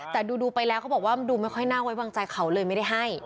แต่ดูไปแล้วเขาบอกว่ามันดูไม่ค่อยน่าไว้วางใจเขาเลยไม่ได้ให้